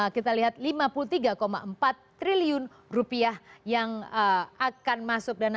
kita lihat lima puluh tiga empat triliun rupiah yang akan masuk dana